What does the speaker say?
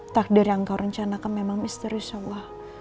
takdir yang kau rencanakan memang misterius allah